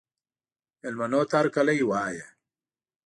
مېلمنو ته هرکلی وایه.